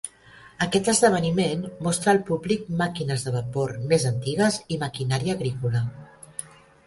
Aquest esdeveniment mostra al públic màquines de vapor més antigues i maquinària agrícola.